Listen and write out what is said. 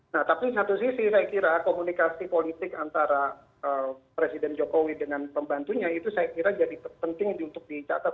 nah tapi satu sisi saya kira komunikasi politik antara presiden jokowi dengan pembantunya itu saya kira jadi penting untuk dicatat